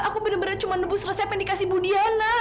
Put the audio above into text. aku benar benar cuma nebus resep yang dikasih bu diana